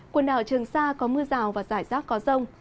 quần đảo trường sa có mưa rào và rải rác có rông